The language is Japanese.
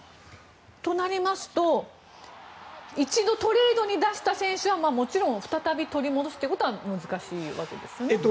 となりますと一度、トレードに出した選手はもちろん、再び取り戻すことは難しいわけですよね。